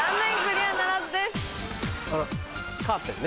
あらカーテンね。